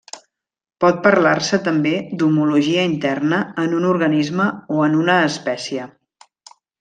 Pot parlar-se també d'homologia interna en un organisme o en una espècie.